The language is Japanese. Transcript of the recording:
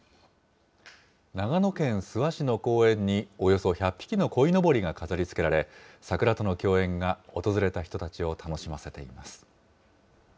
長野県諏訪市の公園に、およそ１００匹のこいのぼりが飾りつけられ、桜との共演が訪れた人たちを楽しませています。